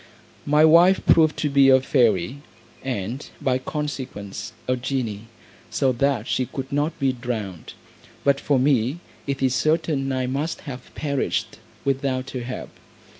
My wife proved to be a fairy, and, by consequence, a genie, so that she could not be drowned; but for me, it is certain I must have perished, without her help.